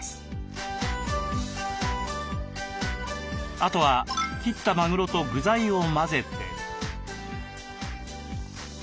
あとは切ったマグロと具材を混ぜて。